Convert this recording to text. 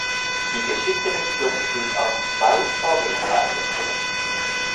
Die Geschichte des Klubs geht auf zwei Vorgängervereine zurück.